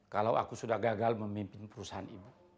kalau aku sudah gagal memimpin perusahaan ibu